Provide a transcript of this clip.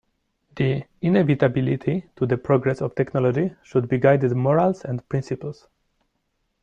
The inevitability to the progress of technology should be guided morals and principles.